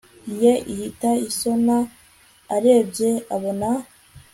ye ihita isona arebye abona